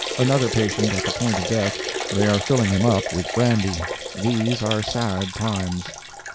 —Another patient at the point of death—they are filling him up with brandy. These are sad times."